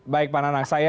baik pak nanang